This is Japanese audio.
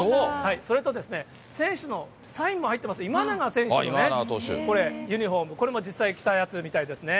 それと、選手のサインも入ってます、今永選手ね、これ、ユニホーム、これ実際着たやつみたいですね。